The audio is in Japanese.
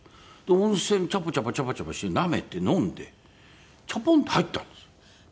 温泉チャポチャポチャポチャポしてなめて飲んでチャポンと入ったんです。